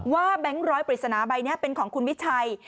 แบงค์ร้อยปริศนาใบนี้เป็นของคุณวิชัย